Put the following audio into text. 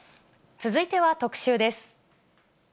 続いては特集です。